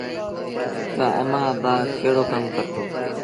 تا امآݩ ابآ ڪهڙو ڪم ڪرتو